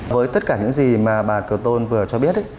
với tất cả những gì mà bà kiều tôn vừa cho biết